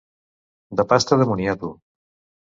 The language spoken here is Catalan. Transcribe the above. De pasta de moniato.